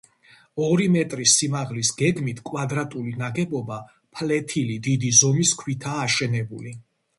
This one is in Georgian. ორი მეტრის სიმაღლის გეგმით კვადრატული ნაგებობა ფლეთილი დიდი ზომის ქვითაა აშენებული.